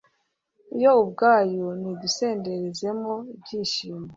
yo ubwayo nidusenderezemo ibyishimo